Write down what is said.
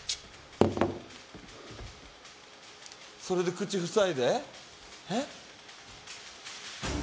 それで口ふさいでえっ？